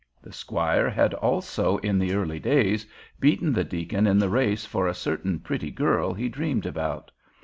The squire had also in the early days beaten the deacon in the race for a certain pretty girl he dreamed about.